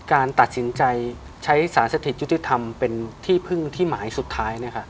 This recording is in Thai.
การตัดสินใจใช้สารสถิตยุติธรรมเป็นที่พึ่งที่หมายสุดท้าย